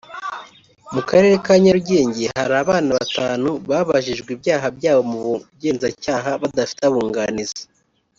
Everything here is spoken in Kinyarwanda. mu karere ka Nyarugenge hari abana batanu babajijwe ibyaha byabo mu Bugenzacyaha badafite abunganizi